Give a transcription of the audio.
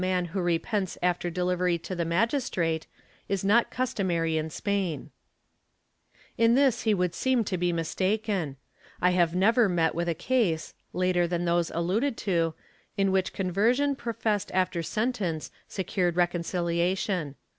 IV] GABBOTTIjSO BEFOBE BUBNING 193 who repents after delivery to the magistrate is not customary in Spain/ In this he would seem to be mistaken, I have never met with a case, later than those alluded to, in which conversion professed after sentence secured reconciliation.